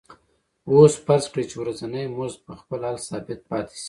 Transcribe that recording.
اوس فرض کړئ چې ورځنی مزد په خپل حال ثابت پاتې شي